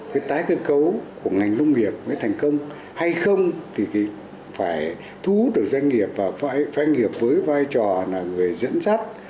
cái tái cơ cấu của ngành nông nghiệp mới thành công hay không thì phải thu hút được doanh nghiệp vào doanh nghiệp với vai trò là người dẫn dắt